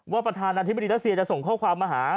ประธานาธิบดีรัสเซียจะส่งข้อความมาหา